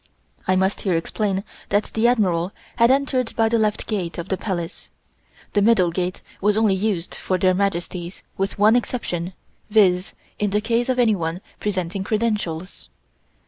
I must here explain that the Admiral had entered by the left gate of the Palace. The middle gate was only used for Their Majesties, with one exception, viz.: in the case of anyone presenting credentials.